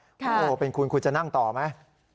โอ้โหเป็นคุณคุณจะนั่งต่อไหม